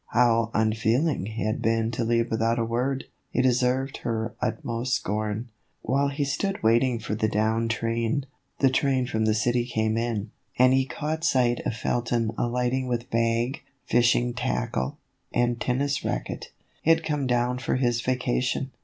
How unfeeling he had been to leave without a word ! He deserved her utmost scorn. While he stood waiting for the down train, the THE EVOLUTION OF A BONNET. train from the city came in, and he caught sight of Felton alighting with bag, fishing tackle, and tennis racquet. He had come down for his vaca tion.